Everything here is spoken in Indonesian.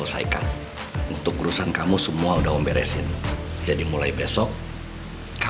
baik baik aja gue tolong lo ya